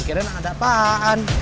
akhirnya nak ada apaan